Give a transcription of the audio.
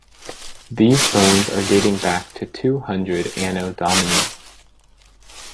These bones are dating back to two hundred Anno Domini.